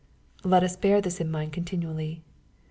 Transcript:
Let us bear this in mind continually.